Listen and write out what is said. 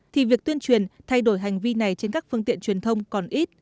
thì việc tuyên truyền thay đổi hành vi này trên các phương tiện truyền thông còn ít